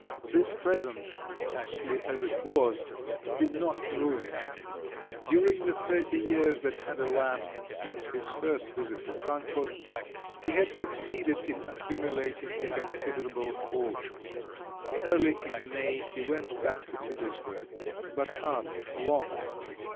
This present, costly as it was, did not ruin him; during the thirty years that had elapsed since his first visit to Frankfort, he had succeeded in accumulating a considerable fortune. Early in May he went back to Petersburg, but hardly for long.